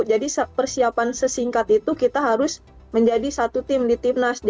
jadi persiapan sesingkat itu kita harus menjadi satu tim di tim nas